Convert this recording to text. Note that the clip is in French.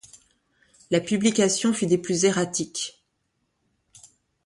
La publication fut des plus erratique.